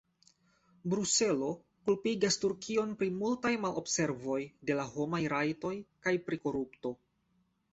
Bruselo kulpigas Turkion pri multaj malobservoj de la homaj rajtoj kaj pri korupto.